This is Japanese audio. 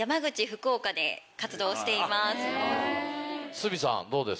鷲見さんどうです？